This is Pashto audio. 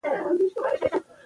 څوک دې نتیجې ته ورسېدل؟